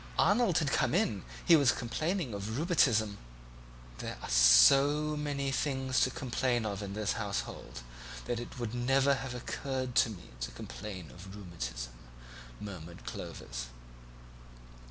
"Arnold had just come in; he was complaining of rheumatism " "There are so many things to complain of in this household that it would never have occurred to me to complain of rheumatism," murmured Clovis.